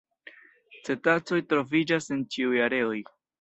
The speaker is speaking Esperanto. Cetacoj troviĝas en ĉiuj areoj.